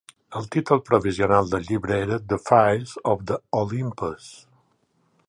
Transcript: El títol provisional del llibre era "The Fires of the Olympus ".